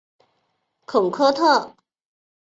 孔科特。